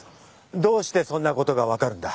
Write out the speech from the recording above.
どうしてそんなことが分かるんだ。